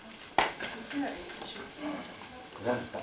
何ですか？